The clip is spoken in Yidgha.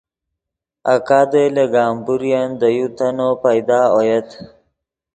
آکادے لے گمبورین دے یو تنّو پیدا اویت